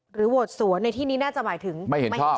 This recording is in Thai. หรือโหดสัวในที่นี่น่าจะหมายถึงไม่เห็นชอบ